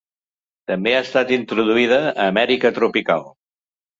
També ha estat introduïda a Amèrica tropical.